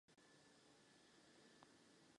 Gay scéna je v Severní Makedonii velmi málo rozvinutá.